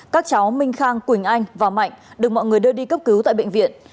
các cháu minh khang quỳnh anh và mạnh được mọi người đưa đi cấp cứu tại bệnh viện